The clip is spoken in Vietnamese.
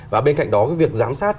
và bên cạnh đó cái việc giám sát